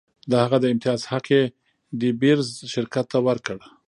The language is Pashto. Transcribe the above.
د هغه د امتیاز حق یې ډي بیرز شرکت ته ورکړ.